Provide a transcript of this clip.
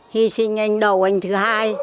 hi sinh anh đầu anh thứ hai